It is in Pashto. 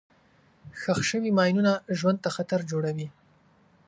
ښخ شوي ماینونه ژوند ته خطر جوړوي.